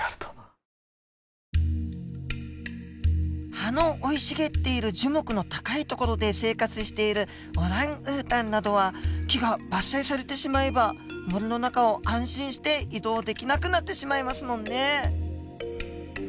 葉の生い茂っている樹木の高い所で生活しているオランウータンなどは木が伐採されてしまえば森の中を安心して移動できなくなってしまいますもんね。